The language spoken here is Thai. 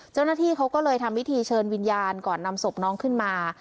เจ้าหน้าที่เขาก็เลยทำพิธีเชิญวิญญาณก่อนนำศพน้องขึ้นมา